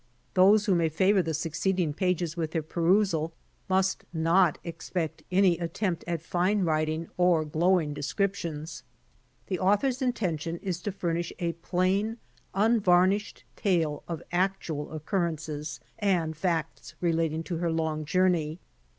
Those who may favor the succeeding pages with their perusal must not expect any attempt at fine writing, or glowing descriptions. The author's inten tion is to furnish a plain, unvarnished tale of actual occurrences and facts relating to her long journey.